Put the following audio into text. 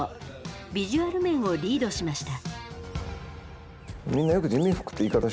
ビジュアル面をリードしました。